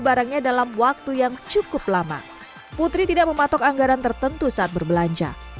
barangnya dalam waktu yang cukup lama putri tidak mematok anggaran tertentu saat berbelanja